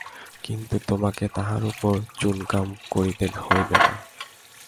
কিন্তু তোমাকে তাহার উপর চুনকাম করিতে হইবে না।